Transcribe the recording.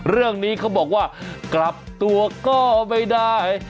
เรื่องนี้เขาบอกว่ากลับตัวก็ไม่ได้